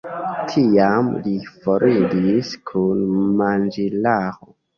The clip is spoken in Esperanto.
Tiam li foriris kun manĝilaro.